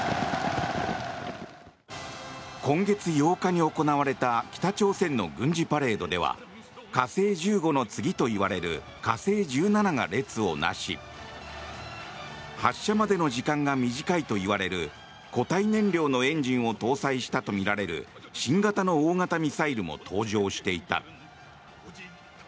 今月８日に行われた北朝鮮の軍事パレードでは火星１５の次といわれる火星１７が列を成し発射までの時間が短いといわれる固体燃料のエンジンを搭載したとみられる新型の大型ミサイルも登場していた。